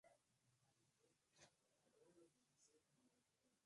Sin embargo, no se otorgó explícitamente a la población civil en una ceremonia.